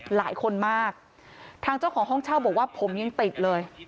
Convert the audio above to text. หลายคนมากทางเจ้าของห้องเช่าบอกว่าผมยังติดเลย